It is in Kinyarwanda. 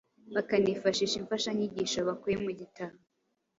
bakanifashisha imfashanyigisho bakuye mu gitabo